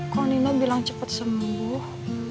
kok nino bilang cepet sembuh